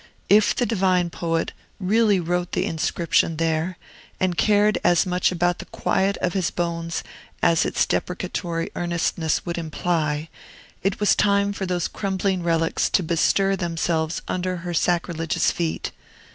If the divine poet really wrote the inscription there, and cared as much about the quiet of his bones as its deprecatory earnestness would imply, it was time for those crumbling relics to bestir themselves under her sacrilegious feet.